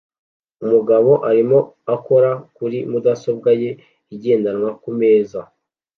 Umugabo arimo akora kuri mudasobwa ye igendanwa ku meza